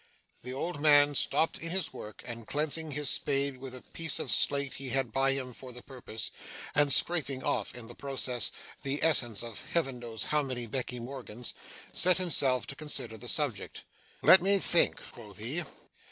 The old man stopped in his work, and cleansing his spade with a piece of slate he had by him for the purpose and scraping off, in the process, the essence of Heaven knows how many Becky Morgans set himself to consider the subject. 'Let me think' quoth he.